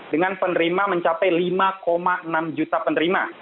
dengan penerima mencapai lima enam juta penerima